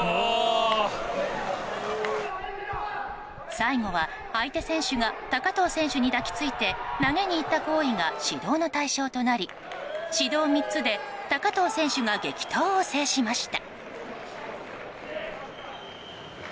最後は、相手選手が高藤選手に抱き着いて投げにいった行為が指導の対象となり指導３つで高藤選手が激闘を制しました。